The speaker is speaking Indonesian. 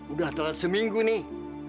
udah telat seminggu nih